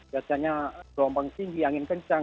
biasanya gelombang tinggi angin kencang